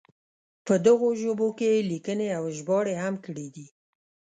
په دغو ژبو کې یې لیکنې او ژباړې هم کړې دي.